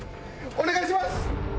お願いします！